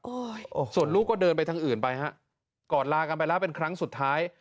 โอ้โหส่วนลูกก็เดินไปทางอื่นไปฮะกอดลากันไปแล้วเป็นครั้งสุดท้าย